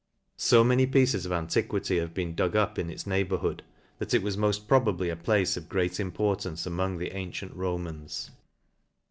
So many pieces of antiquity have been dug up in its neigh bourhood, that it was moft probably a place of great importance among the antient Romans.